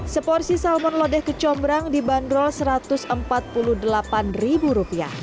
seporsi salmon lodeh kecombrang dibanderol rp satu ratus empat puluh delapan